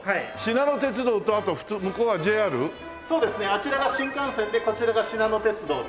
あちらが新幹線でこちらがしなの鉄道で。